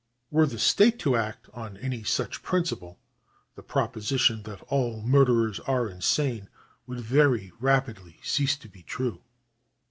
Were the state to act on any such principle, the proposition that all murderers are insane would very rapidly cease to be true.